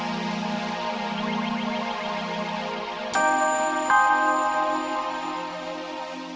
sudah azhar waktu ingin bersesawat